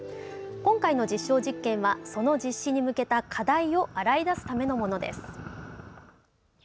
今回の実証実験は、その実施に向けた課題を洗い出すためのものです。